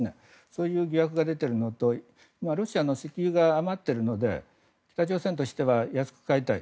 そういう疑惑が出てるのとロシアの石油が余っているので北朝鮮としては安く買いたい。